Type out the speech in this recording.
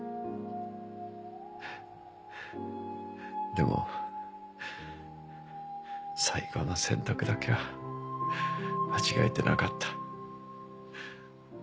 でも最後の選択だけは間違えてなかった。